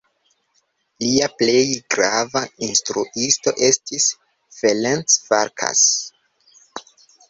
Lia plej grava instruisto estis Ferenc Farkas.